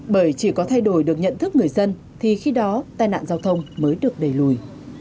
bởi chỉ có thay đổi được nhận thức người dân thì khi đó tai nạn giao thông mới được đẩy lùi